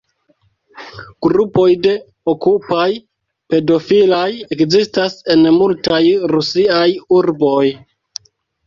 Grupoj de "Okupaj-pedofilaj" ekzistas en multaj rusiaj urboj.